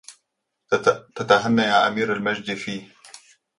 تتهنى يا أمير المجد في